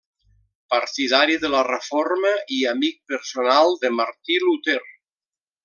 Partidari de la Reforma i amic personal de Martí Luter.